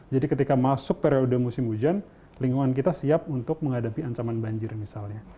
jadi ketika masuk periode musim hujan lingkungan kita siap untuk menghadapi ancaman banjir misalnya